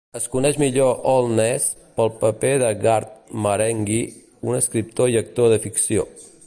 Es coneix millor Holness pel paper de Garth Marenghi, un escriptor i actor de ficció.